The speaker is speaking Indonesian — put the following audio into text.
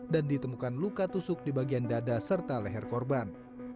dan ditemukan luka tusuk di bagian dada serta leher korban